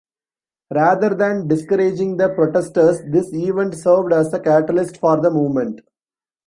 Rather than discouraging the protesters, this event served as a catalyst for the movement.